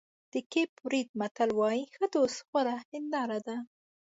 د کېپ ورېډ متل وایي ښه دوست غوره هنداره ده.